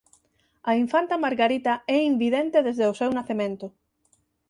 A infanta Margarita é invidente desde o seu nacemento.